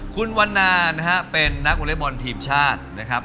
คุณวันนานะฮะเป็นนักวอเล็กบอลทีมชาตินะครับ